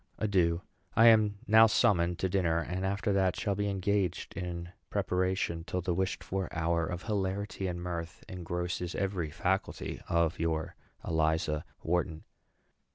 Adieu. I am now summoned to dinner, and after that shall be engaged in preparation till the wished for hour of hilarity and mirth engrosses every faculty of your ELIZA WHARTON.